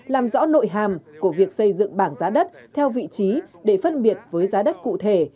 làm rõ nội hàm của việc xây dựng bảng giá đất theo vị trí để phân biệt với giá đất cụ thể